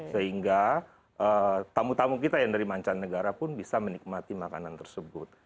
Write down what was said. sehingga tamu tamu kita yang dari mancanegara pun bisa menikmati makanan tersebut